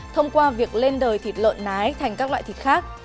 thông qua việc lên đời thịt lợn nái thành các loại thịt khác